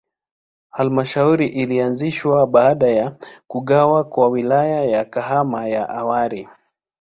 Halmashauri ilianzishwa baada ya kugawa kwa Wilaya ya Kahama ya awali.